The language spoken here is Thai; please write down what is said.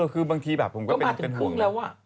ก็มาถึงพรุ่งแล้วว่ะ